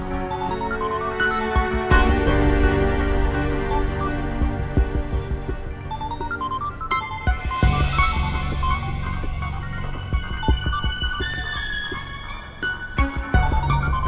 aku gak bisa ketemu mama lagi